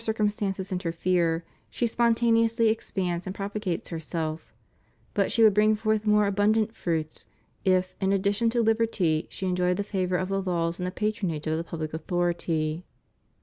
circumstances interfere, she spontaneously expands and propagates herself; but she would bring forth more abundant fruits if, in addition to liberty, she enjoyed the favor of the laws and the patronage of the pubUc authority.